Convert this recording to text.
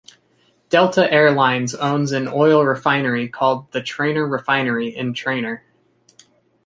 Delta Air Lines owns an oil refinery called the Trainer Refinery in Trainer.